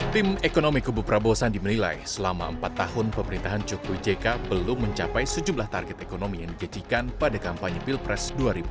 tim ekonomi kubu prabowo sandi menilai selama empat tahun pemerintahan jokowi jk belum mencapai sejumlah target ekonomi yang dijajikan pada kampanye pilpres dua ribu dua puluh